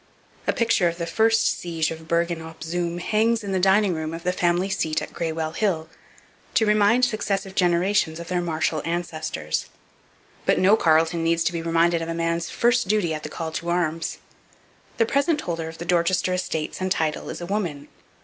A picture of the first siege of Bergen op Zoom hangs in the dining room of the family seat at Greywell Hill to remind successive generations of their martial ancestors. But no Carleton needs to be reminded of a man's first duty at the call to arms. The present holder of the Dorchester estates and title is a woman.